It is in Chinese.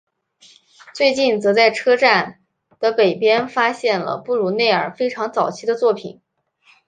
最近则在车站的北边发现了布鲁内尔非常早期的作品。